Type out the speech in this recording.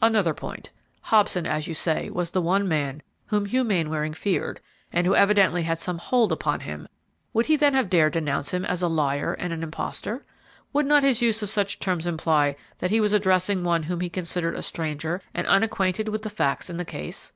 "Another point: Hobson, as you say, was the one man whom Hugh Mainwaring feared and who evidently had some hold upon him; would he then have dared denounce him as a liar and an impostor? Would not his use of such terms imply that he was addressing one whom he considered a stranger and unacquainted with the facts in the case?"